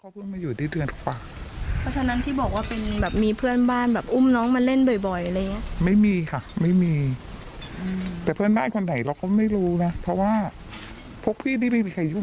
เพราะว่าคือเด็กยังเล็กอยู่